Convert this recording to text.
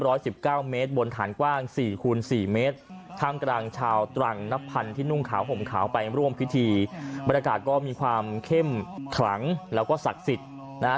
สิบเก้าเมตรบนฐานกว้างสี่คูณสี่เมตรท่ามกลางชาวตรังนับพันธุ์ที่นุ่งขาวห่มขาวไปร่วมพิธีบรรยากาศก็มีความเข้มขลังแล้วก็ศักดิ์สิทธิ์นะฮะ